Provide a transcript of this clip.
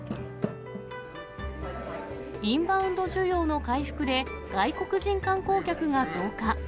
インバウンド需要の回復で、外国人観光客が増加。